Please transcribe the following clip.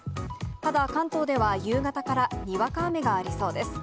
ただ、関東では夕方からにわか雨がありそうです。